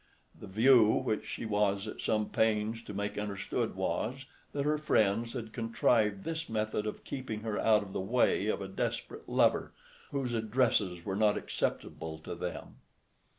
The view which she was at some pains to make understood was, that her friends had contrived this method of keeping her out of the way of a desperate lover whose addresses were not acceptable to them.